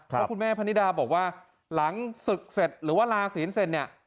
แล้วคุณแม่พนิดาบอกว่าหลังศึกเสร็จหรือว่าลาศีลเสร็จเนี่ย